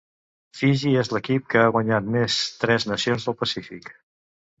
Fiji és l'equip que ha guanyat més Tres Nacions del Pacífic.